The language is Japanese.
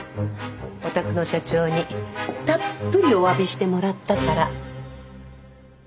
お宅の社長にたっぷりお詫びしてもらったから。